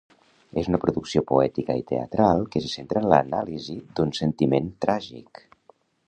És una producció poètica i teatral que se centra en l'anàlisi d'un sentiment tràgic.